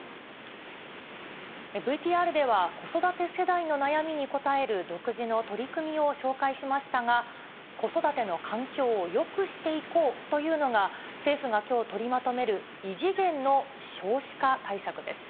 ＶＴＲでは、子育て世代の悩みに応える独自の取り組みを紹介しましたが、子育ての環境をよくしていこうというのが、政府がきょう、取りまとめる異次元の少子化対策です。